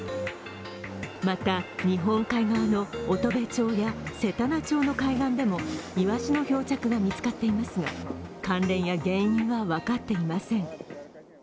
また、日本海側の乙部町やせたな町の海岸でもいわしの漂着が見つかっていますが関連や原因は分かっていません。